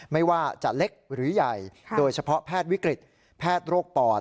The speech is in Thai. ไม่ว่าจะเล็กหรือใหญ่โดยเฉพาะแพทย์วิกฤตแพทย์โรคปอด